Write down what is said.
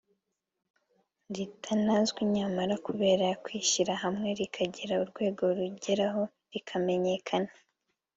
ritanazwi nyamara kubera kwishyira hamwe rikagira urwego rigeraho rikanamenyekana